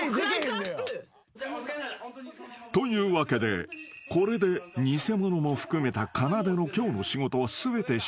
［というわけでこれで偽物も含めたかなでの］